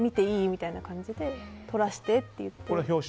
みたいな感じで撮らせてって言って。